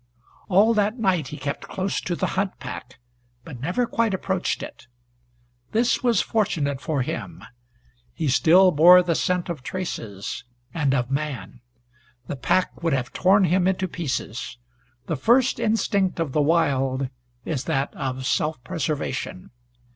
All that night he kept close to the hunt pack, but never quite approached it. This was fortunate for him. He still bore the scent of traces, and of man. The pack would have torn him into pieces. The first instinct of the wild is that of self preservation.